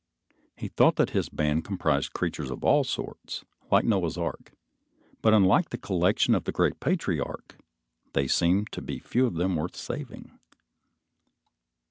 He thought that his band comprised creatures of all sorts, like Noah's ark, but unlike the collection of the great patriarch, they seemed to be few of them worth saving.